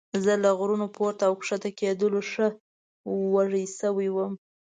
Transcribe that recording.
زه له غرونو پورته او ښکته کېدلو ښه وږی شوی وم.